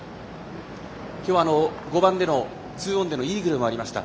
今日、５番での２オンでのイーグルもありました。